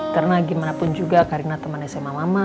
karena gimana pun juga karina teman sma mama